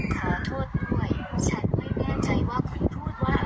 ขอโทษด้วยฉันไม่แน่ใจว่าคุณพูดว่า